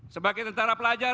sebagai tentara pelajar